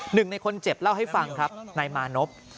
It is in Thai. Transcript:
หนึ่งในคนเจ็บเล่าให้ฟังครับนายมานพ